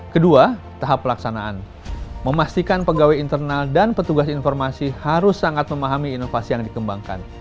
kedua tahap pelaksanaan memastikan pegawai internal dan petugas informasi harus sangat memahami inovasi yang dikembangkan